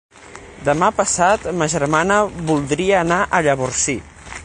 Demà passat ma germana voldria anar a Llavorsí.